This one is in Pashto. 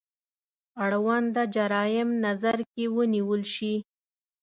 اړونده جرايم نظر کې ونیول شي.